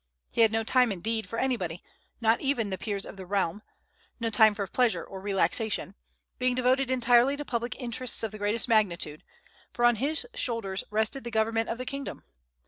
He had no time, indeed, for anybody, not even the peers of the realm, no time for pleasure or relaxation, being devoted entirely to public interests of the greatest magnitude; for on his shoulders rested the government of the kingdom.